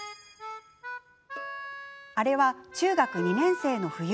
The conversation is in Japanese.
あれは中学２年生の冬。